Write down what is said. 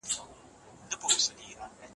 موږ بايد خپل عزت په ټولنه کي وساتو.